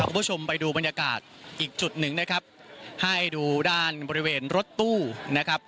คุณผู้ชมไปดูบรรยากาศอีกจุดหนึ่งนะครับให้ดูด้านบริเวณรถตู้นะครับ